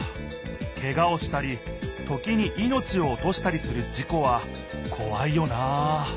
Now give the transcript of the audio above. けがをしたり時にいのちをおとしたりする事故はこわいよなあ。